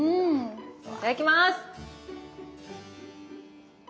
いただきます。